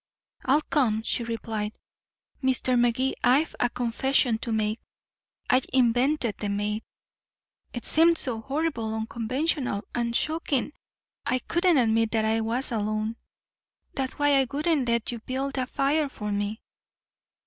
"I'll come," she replied. "Mr. Magee, I've a confession to make. I invented the maid. It seemed so horribly unconventional and shocking I couldn't admit that I was alone. That was why I wouldn't let you build a fire for me."